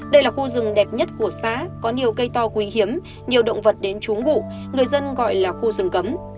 đây là khu rừng đẹp nhất của xã có nhiều cây to quý hiếm nhiều động vật đến trúng vụ người dân gọi là khu rừng cấm